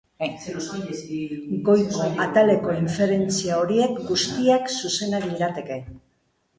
Goiko ataleko inferentzia horiek guztiak zuzenak lirateke.